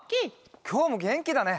きょうもげんきだね。